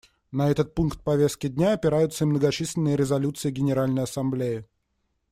На этот пункт повестки дня опираются и многочисленные резолюции Генеральной Ассамблеи.